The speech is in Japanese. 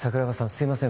すいません